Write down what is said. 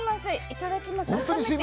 いただきます。